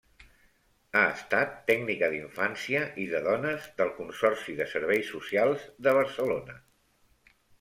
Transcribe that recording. Ha estat tècnica d'Infància i de dones del Consorci de Serveis Socials de Barcelona.